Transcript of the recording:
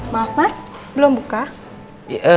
maaf mas belum buka